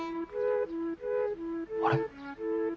あれ？